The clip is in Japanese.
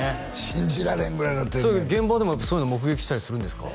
信じられんぐらいの天然現場でもそういうの目撃したりするんですか？